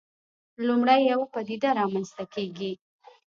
لومړی یوه پدیده رامنځته کېږي.